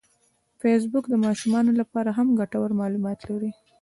فېسبوک د ماشومانو لپاره هم ګټور معلومات لري